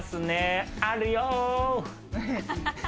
あるよ。